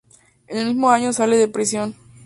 En el mismo año sale de prisión.